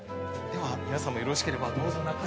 では皆さんもよろしければどうぞ中へ。